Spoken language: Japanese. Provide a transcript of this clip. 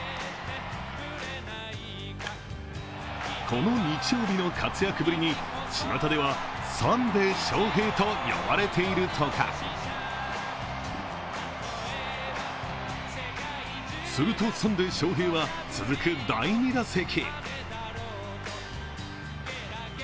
この日曜日の活躍ぶりに、ちまたではサンデー翔平と呼ばれているとかするとサンデー翔平は、続く第２打席。